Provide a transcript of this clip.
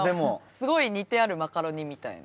すごい煮てあるマカロニみたいな。